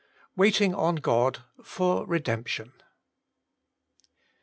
WAITING ON GOD: 3Fot IReDemption.